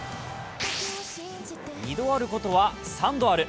２度あることは３度ある。